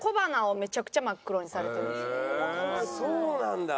そうなんだ！